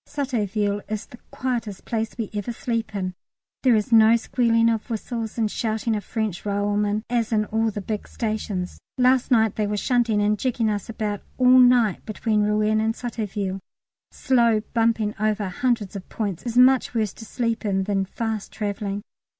Sotteville is the quietest place we ever sleep in; there is no squealing of whistles and shouting of French railwaymen as in all the big stations. Last night they were shunting and jigging us about all night between Rouen and Sotteville. Slow bumping over hundreds of points is much worse to sleep in than fast travelling.